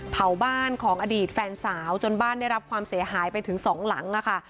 เผาบ้านของอดีตแฟนสาวจนบ้านได้รับความเสียหายไปถึงสองหลังค่ะ